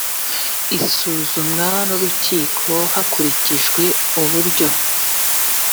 isuzumwa n urukiko hakurikijwe uburyo